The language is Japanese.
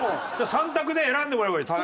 ３択で選んでもらえばいい。